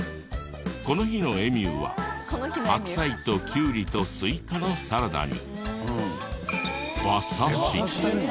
この日のエミューは白菜とキュウリとスイカのサラダに。